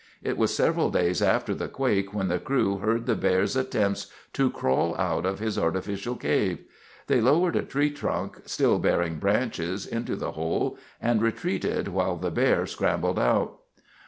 It was several days after the quake when the crew heard the bear's attempts to crawl out of his artificial cave. They lowered a tree trunk, still bearing branches, into the hole and retreated while the bear scrambled out.